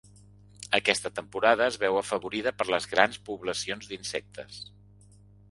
Aquesta temporada es veu afavorida per les grans poblacions d'insectes.